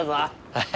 はい！